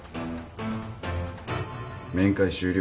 面会終了。